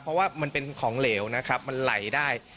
เพราะว่ามันเป็นของเหลวนะครับมันไหลได้